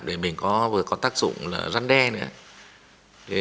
để mình có tác dụng răn đe nữa